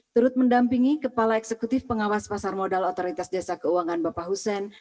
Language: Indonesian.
terus mendampingi kepala eksekutif pengawas pasar modal otoritas desa keuangan bapak husen